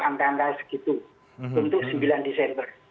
angka angka segitu untuk sembilan desember